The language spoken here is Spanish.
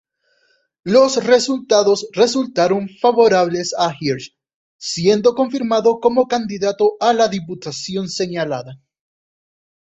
Los resultados resultaron favorables a Hirsch, siendo confirmado como candidato a la diputación señalada.